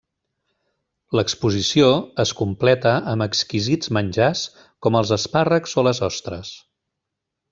L'exposició es completa amb exquisits menjars com els espàrrecs o les ostres.